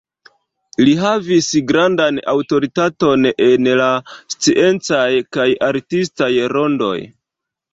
Li havis grandan aŭtoritaton en la sciencaj kaj artistaj rondoj.